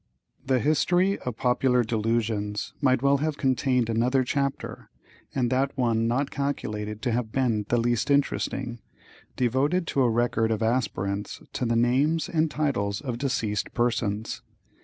The History of Popular Delusions might well have contained another chapter, and that one not calculated to have been the least interesting, devoted to a record of aspirants to the names and titles of deceased persons.